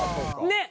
ねっ！